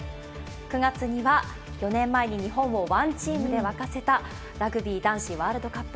９月には、４年前に日本をワンチームで沸かせたラグビー男子ワールドカップ。